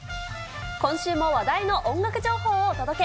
今週も話題の音楽情報をお届け。